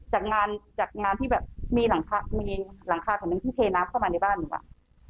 จากงานที่มีหลังคาชนึงที่เทน้ำเข้ามาในบ้านเหรอ